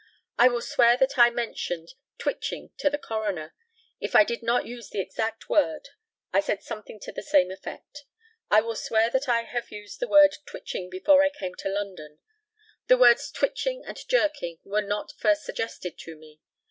I will swear that I mentioned "twitching" to the coroner. If I did not use the exact word, I said something to the same effect. I will swear that I have used the word "twitching" before I came to London. The words "twitching" and "jerking" were not first suggested to me.